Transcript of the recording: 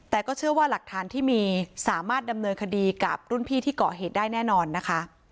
แต่ก็เชื่อว่าหลักฐานที่มีสามารถดำเนินคดีกับรุ่นพี่ที่เกาะเหตุได้แน่นอนนะคะ